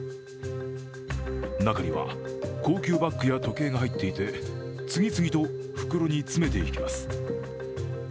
中には高級バッグや時計が入っていて次々と袋に詰めていきます。